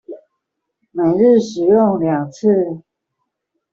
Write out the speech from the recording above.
每日使用二次